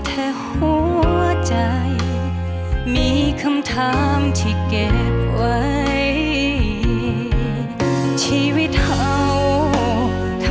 โอ้เหมือนใครก็บอก